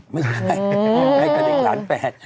ไม่ใช่ห้าแต่ไอกลางแหลมแฟน